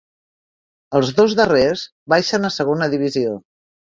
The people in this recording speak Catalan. Els dos darrers baixen a segona divisió.